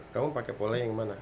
kamu pakai pola yang mana